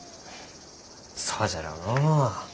そうじゃろうのう。